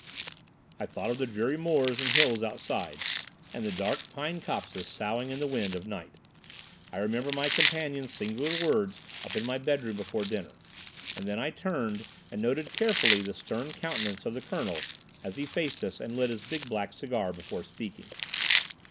I thought of the dreary moors and hills outside, and the dark pine copses soughing in the wind of night; I remembered my companion's singular words up in my bedroom before dinner; and then I turned and noted carefully the stern countenance of the Colonel as he faced us and lit his big black cigar before speaking.